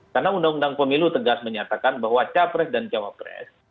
karena undang undang pemilu tegas menyatakan bahwa capres dan cawapres